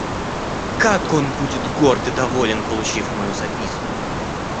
Как он будет горд и доволен, получив мою записку!